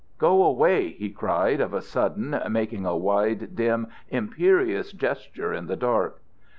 "Go away!" he cried of a sudden, making a wide, dim, imperious gesture in the dark.